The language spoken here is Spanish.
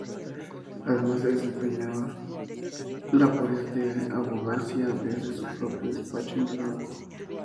Además, desempeña labores de abogacía desde su propio despacho en Durango.